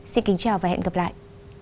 xin kính chào và hẹn gặp lại